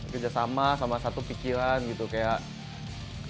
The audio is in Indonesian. kerjasama sama satu pikiran gitu kayak